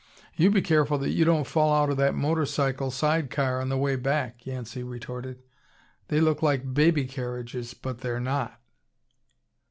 "You be careful that you don't fall out of that motor cycle side car on the way back," Yancey retorted. "They look like baby carriages, but they're not."